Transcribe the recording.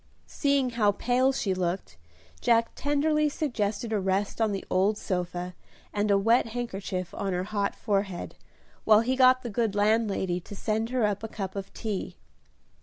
Seeing how pale she looked, Jack tenderly suggested a rest on the old sofa, and a wet handkerchief on her hot forehead, while he got the good landlady to send her up a cup of tea.